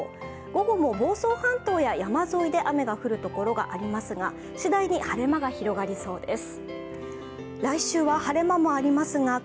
午後も房総半島や山沿いで雨が降るところがありますが、しだいに晴れ間が広がりそうです。